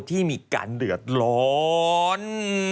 ที่มีการเดือดร้อน